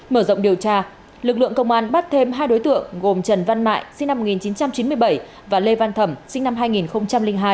mở rộng điều tra lực lượng công an bắt thêm hai đối tượng gồm trần văn mại sinh năm một nghìn chín trăm chín mươi bảy và lê văn thẩm sinh năm hai nghìn hai